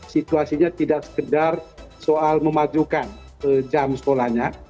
situasinya tidak sekedar soal memajukan jam sekolahnya